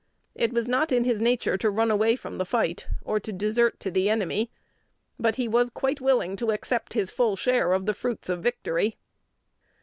It was not in his nature to run away from the fight, or to desert to the enemy; but he was quite willing to accept his full share of the fruits of victory.